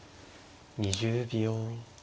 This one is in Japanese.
２０秒。